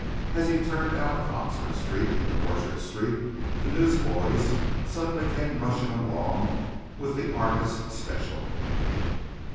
As he turned out of Oxford Street into Orchard Street the newsboys suddenly came rushing along with the Argus special.